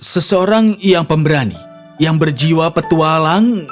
seseorang yang pemberani yang berjiwa petualang